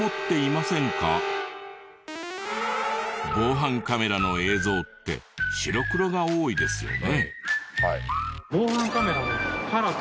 防犯カメラの映像って白黒が多いですよね。